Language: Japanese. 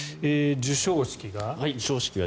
授賞式が。